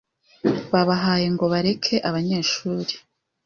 babahaye ngo bareke abanyeshuri